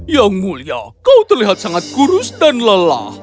yang mulia kau terlihat sangat kurus dan lelah